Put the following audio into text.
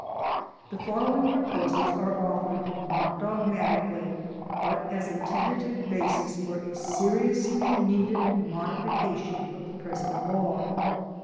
The following proposals are offered, not dogmatically, but as a tentative basis for a seriously needed modifica tion of the present law.